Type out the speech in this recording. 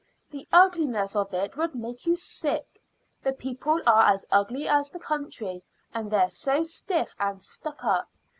The ugliness of it would make you sick. The people are as ugly as the country, and they're so stiff and stuck up.